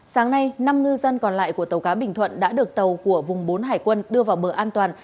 sáng nay năm ngư dân còn lại của tàu cá bình thuận đã được tàu của vùng bốn hải quân đưa vào bờ an toàn